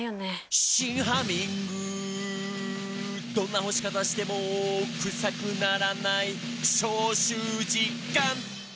「どんな干し方してもクサくならない」「消臭実感！」